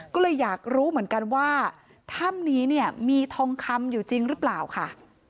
ก็เลยอยากรู้เหมือนกันว่าถ้ำนี้เนี่ยมีทองคำอยู่จริงหรือเปล่าค่ะ